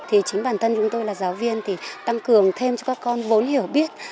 thì chính bản thân chúng tôi là giáo viên thì tăng cường thêm cho các con vốn hiểu biết